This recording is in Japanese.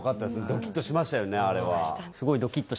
ドキッとしましたよねあれは。